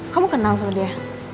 kamu kenal sama dia